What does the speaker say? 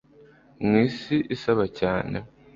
mw'isi isaba cyane